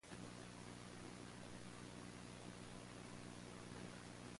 A woman warns him he is in terrible danger.